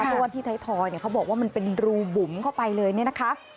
เพราะว่าที่ไทยทอยเขาบอกว่ามันเป็นรูบุ๋มเข้าไปเลยเนี่ยนะคะ